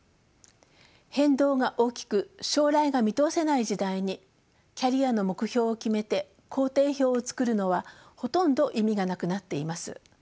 変動が大きく将来が見通せない時代にキャリアの目標を決めて行程表を作るのはほとんど意味がなくなっています。